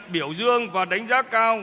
biểu dương và đánh giá cao